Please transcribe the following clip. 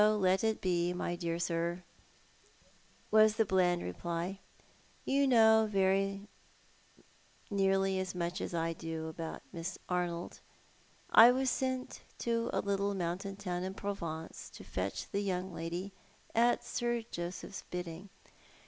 '•' So let it be, my dear sir," was the bland reply. " You know very nearly as much about Miss Arnold as I do, I was sent to a little mountain town in Provence to fetch the young lady, at Sir Joseph's bidding.